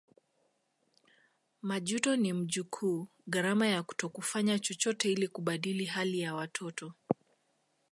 Majuto ni mjukuu gharama ya kutokufanya chochote ili kubadili hali ya watoto